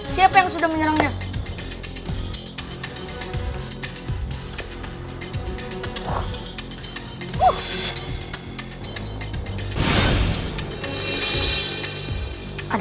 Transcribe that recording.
siapa yang sudah menyerangnya